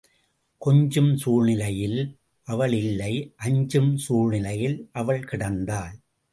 கொஞ்சும் சூழ்நிலையில் அவள் இல்லை அஞ்சும் சூழ்நிலையில் அவள் கிடந்தாள்.